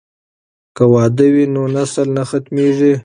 که واده وي نو نسل نه ختمیږي.